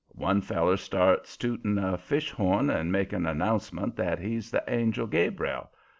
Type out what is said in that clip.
One feller starts tooting a fish horn and making announcements that he's the Angel Gabriel.